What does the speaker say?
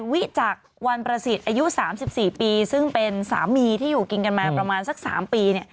วิจักรวันประสิทธิ์อายุ๓๔ปีซึ่งเป็นสามีที่อยู่กินกันมาประมาณสัก๓ปี